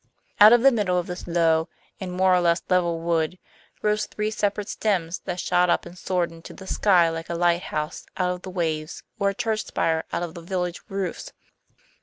Out of the middle of this low, and more or less level wood, rose three separate stems that shot up and soared into the sky like a lighthouse out of the waves or a church spire out of the village roofs.